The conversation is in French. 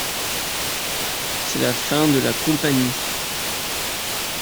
C'est la fin de la compagnie.